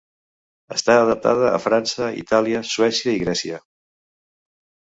Està adaptada a França, Itàlia, Suècia i Grècia.